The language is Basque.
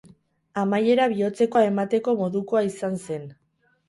Amaiera bihotzekoa emateko modukoa izan zen.